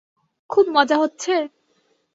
খুব মজা হচ্ছে?